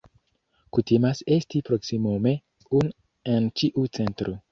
Kutimas esti proksimume unu en ĉiu cento.